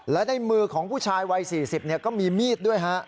และในมือของผู้ชายวัย๔๐ก็มีมีดด้วยฮะ